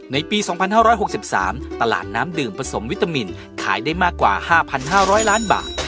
ในปี๒๕๖๓ตลาดน้ำดื่มผสมวิตามินขายได้มากกว่า๕๕๐๐ล้านบาท